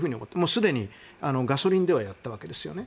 すでにガソリンではやったわけですよね。